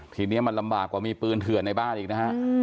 ทีนี้มันลำบากกว่ามีปืนเถื่อนในบ้านอีกนะฮะ